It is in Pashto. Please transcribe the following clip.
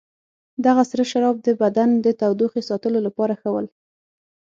دغه سره شراب د بدن د تودوخې ساتلو لپاره ښه ول.